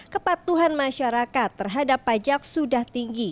kepatuhan masyarakat terhadap pajak sudah tinggi